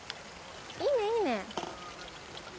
いいねいいね。